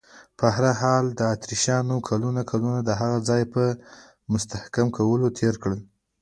په هر حال، اتریشیانو کلونه کلونه د هغه ځای په مستحکم کولو تېر کړل.